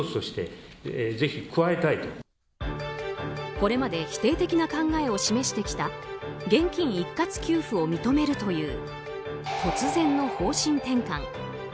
これまで否定的な考えを示してきた現金一括給付を認めるという突然の方針転換。